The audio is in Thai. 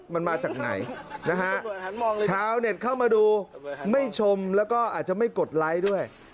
มันมาจากไหนนะฮะชาวเน็ตเข้ามาดูไม่ชมแล้วก็อาจจะไม่กดไลค์ด้วย